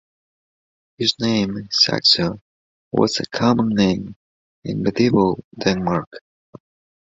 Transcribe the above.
His name Saxo was a common name in medieval Denmark.